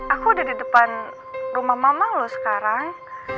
aku udah di depan rumah mama loh sekarang